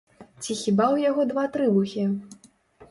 Ці хіба ў яго два трыбухі?